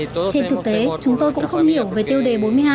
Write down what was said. trên thực tế chúng tôi cũng không hiểu về tiêu đề bốn mươi hai